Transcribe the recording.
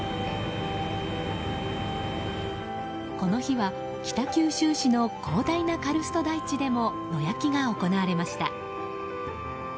この日は北九州市の広大なカルスト台地でも野焼きが行われました。